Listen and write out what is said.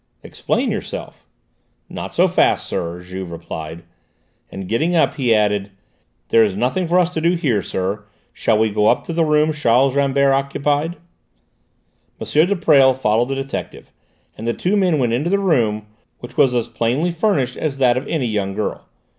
"Explain yourself." "Not so fast, sir," Juve replied, and getting up he added: "There is nothing for us to do here, sir; shall we go up to the room Charles Rambert occupied?" M. de Presles followed the detective, and the two men went into the room, which was as plainly furnished as that of any young girl.